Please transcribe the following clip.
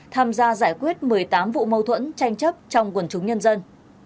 tham gia giải quyết một mươi tám vụ mâu thuẫn tranh chấp trong quần chúng nhân dân